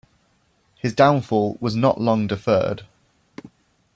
His downfall was not long deferred.